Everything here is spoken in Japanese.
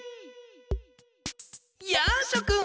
やあしょくん！